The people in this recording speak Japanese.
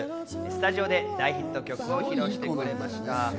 スタジオで大ヒット曲を披露してくれました。